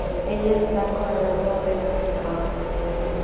Ellas están coronando a Pedro y a Pablo.